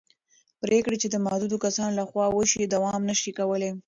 پرېکړې چې د محدودو کسانو له خوا وشي دوام نه شي کولی